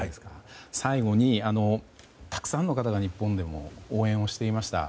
最後に、たくさんの方が日本でも応援をしていました。